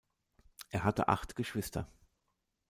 Er hatte acht Geschwister.